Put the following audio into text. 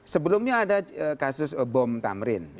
sebelumnya ada kasus bom tamrin